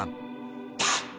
パッ！